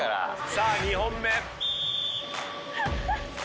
さあ２本目。